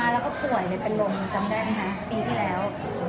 รอบแล้วเป็นลมจำได้มั้ยฮะปีที่แล้ว